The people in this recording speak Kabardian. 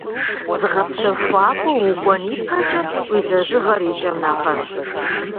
Зыгъэпсэхуакӏуэ укӏуэн и пэкӏэ, уи лэжьыгъэр и кӏэм нэгъэс.